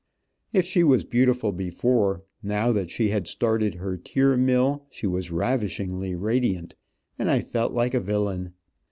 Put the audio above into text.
If she was beautiful before, now that she had started her tear mill, she was ravishingly radiant, and I felt like a villain.